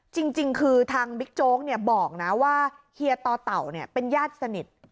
จริงคือทางบิ๊กโจ๊กบอกนะว่าเฮียต่อเต่าเป็นญาติสนิท